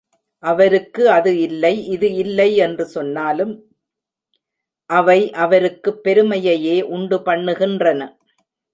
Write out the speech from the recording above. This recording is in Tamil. அவருக்கு அது இல்லை, இது இல்லை என்று சொன்னாலும் அவை அவருக்குப் பெருமையையே உண்டு பண்ணுகின்றன.